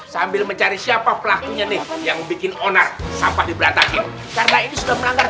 sambil mencari siapa pelakunya nih yang bikin onar sampah diberantasin karena ini sudah melanggar